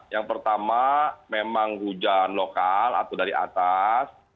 yang pertama memang hujan lokal atau dari atas